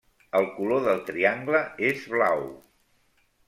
El color del triangle és blau.